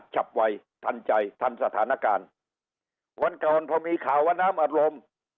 ฉับไวทันใจทันสถานการณ์วันก่อนพอมีข่าวว่าน้ำอัดลม